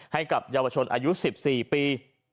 ให้กับเยาวชนอายุ๑๔ปี